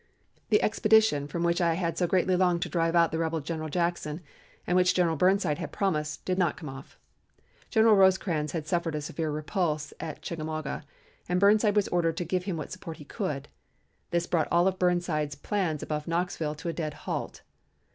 The expedition from which I had so greatly longed to drive out the rebel General Jackson, and which General Burnside had promised, did not come off. General Rosecrans had suffered a severe repulse at Chickamauga, and Burnside was ordered to give him what support he could. This brought all of Burnside's plans above Knoxville to a dead halt.